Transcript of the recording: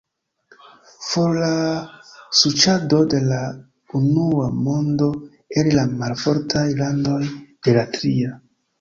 For la suĉado de la unua mondo el la malfortaj landoj de la tria!